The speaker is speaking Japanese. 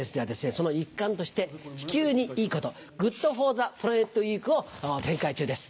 その一環として地球にいいこと「ＧｏｏｄＦｏｒｔｈｅＰｌａｎｅｔウィーク」を展開中です。